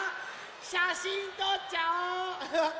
しゃしんとっちゃおう！